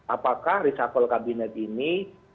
apakah reshuffle kabinet ini